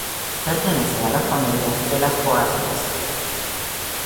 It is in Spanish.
Pertenece a la familia de las poáceas.